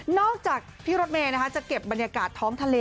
จากพี่รถเมย์จะเก็บบรรยากาศท้องทะเล